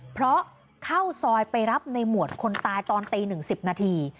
เพราะเข้าซอยไปรับในหมวดคนตายตอนตี๑๐นาที